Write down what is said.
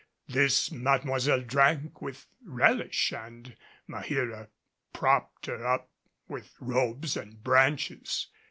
This Mademoiselle drank with relish and Maheera propped her up with robes and branches.